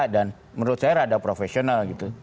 dan menurut saya rada profesional gitu